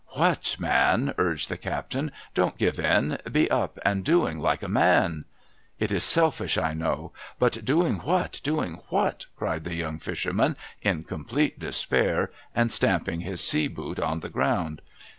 'What, man,' urged the captain, 'don't give in I Be up and doing like a man !'' It is selfish, I know, — but doing what, doing what ?' cried the young fisherman, in complete despair, and stamjjing his sea boot on the ground.